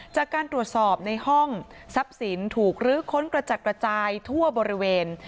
จากการตรวจสอบในห้องทรัพย์สินถูกลื้อค้นกระจัดกระจายทั่วบริเวณ